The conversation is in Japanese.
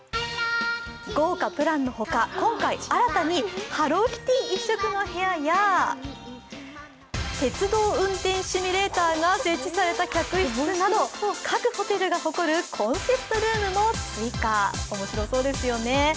豪華プランの他、今回新たにハローキティ一色のプランや鉄道運転シミュレーターが設置された客室など各ホテルが誇るコンセプトルームも追加、面白そうですよね。